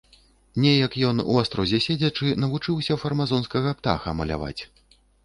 Неяк ён, у астрозе седзячы, навучыўся фармазонскага птаха маляваць.